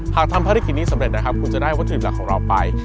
ทำภารกิจนี้สำเร็จนะครับคุณจะได้วัตถุดิบหลักของเราไป